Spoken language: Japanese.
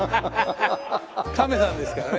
亀さんですからね。